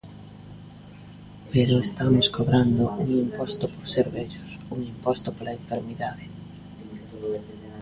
Pero estamos cobrando un imposto por ser vellos, un imposto pola enfermidade.